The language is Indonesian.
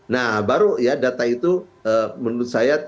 nah baru ya data itu menurut saya